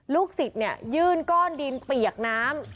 ลูกศิษย์ยื่นก้อนดินเปียกน้ำ